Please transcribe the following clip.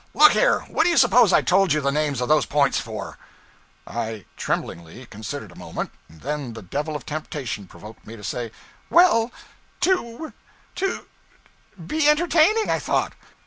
'Look here! What do you suppose I told you the names of those points for?' I tremblingly considered a moment, and then the devil of temptation provoked me to say: 'Well to to be entertaining, I thought.'